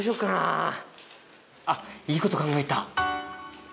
あっいいこと考えた。